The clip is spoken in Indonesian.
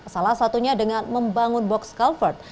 salah satunya dengan membangun box culvert